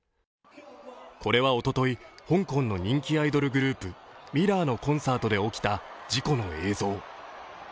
これはおととい、香港の人気アイドルグループ・ＭＩＲＲＯＲのコンサートで起きた事故の映像。